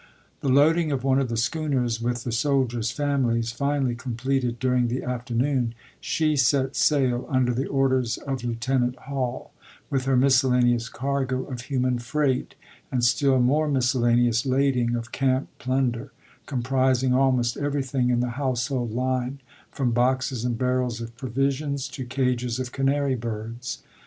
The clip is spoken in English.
The loading of one of the schooners with the soldiers' families finally completed during the after noon, she set sail, under the orders of Lieutenant Hall, with her miscellaneous cargo of human freight, and still more miscellaneous lading of "camp plun Dawson, der," comprising almost everything in the household i£S line, from boxes and barrels of provisions to cages Till 1872 p!f49. ' of canary birds.